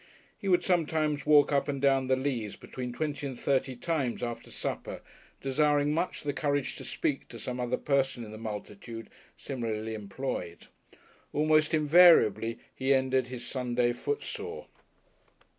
He would sometimes walk up and down the Leas between twenty and thirty times after supper, desiring much the courage to speak to some other person in the multitude similarly employed. Almost invariably he ended his Sunday footsore.